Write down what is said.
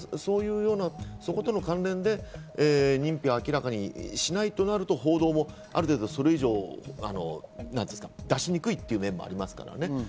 そことの関連で認否を明らかにしないとなると、報道もある程度、それ以上出しにくいという面もありますからね。